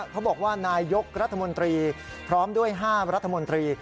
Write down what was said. เขาบอกว่านายยกรัฐมนตรีพร้อมด้วย๕รัฐมนตรี